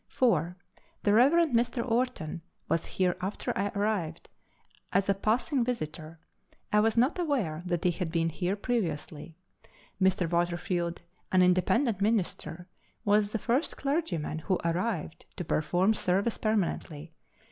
4. The Rev. Mr. Orton was here after I arrived, as a passing visitor. I was not aware that he had been here previously. Mr. Waterfield, an Independent minister, was the first clergyman who arrived to perform service permanently.